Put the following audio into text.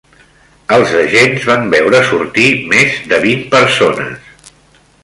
Els agents van veure sortir més de vint persones.